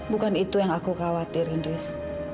bukan itu yang aku khawatir indris